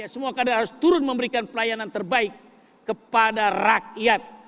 semua kader harus turun memberikan pelayanan terbaik kepada rakyat